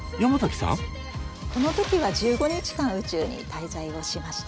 この時は１５日間宇宙に滞在をしました。